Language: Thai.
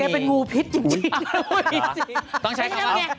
แกเป็นผู้พิษจริง